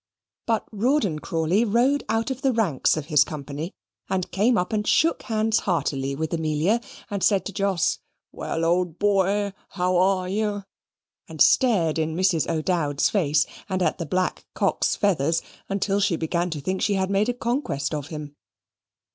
But Rawdon Crawley rode out of the ranks of his company, and came up and shook hands heartily with Amelia, and said to Jos, "Well, old boy, how are you?" and stared in Mrs. O'Dowd's face and at the black cock's feathers until she began to think she had made a conquest of him.